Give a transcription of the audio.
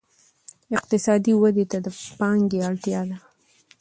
اقتصادي ودې ته د پانګې اړتیا ده.